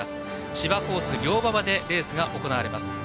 芝コース、良馬場でレースが行われます。